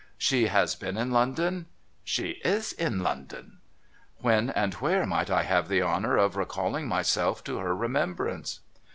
' She has been in London ?'' She is in London.' ' When, and where, might I have the honour of recalling myself to her remembrance